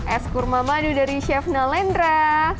es kurma madu dari chef nalendra